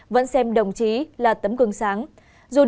vẫn xem đồng chí là tấm cưng sáng